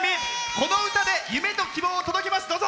この歌で夢と希望を届けます。